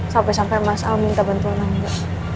sampai sampai mas al minta bantuan angga